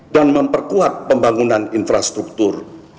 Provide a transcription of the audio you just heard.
dan memperkuat pembangunan infrastruktur